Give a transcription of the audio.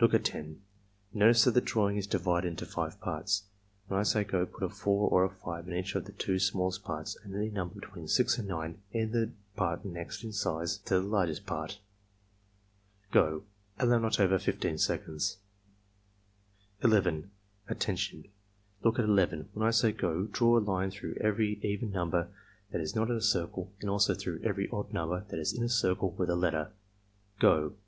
Look at 10. Notice that the drawing is divided into five parts. When I say 'go ' put a 4 or a 5 in each of the two smallest parts and any number between 6 and 9 in the part next in size to the largest part. — Go!" (Allow not over 15 seconds.) 11. "Attention! Look at 11. When I say 'go' draw a line through every even number that is not in a circle and also through every odd number that is in a circle with a letter. — Go!"